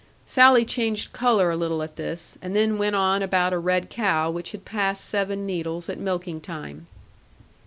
Sally changed colour a little at this, and then went on about a red cow which had passed seven needles at milking time.